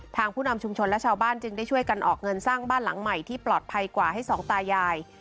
ผู้นำชุมชนและชาวบ้านจึงได้ช่วยกันออกเงินสร้างบ้านหลังใหม่ที่ปลอดภัยกว่าให้สองตายาย